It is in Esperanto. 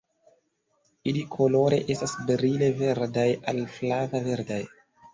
Ili kolore estas brile verdaj al flave verdaj.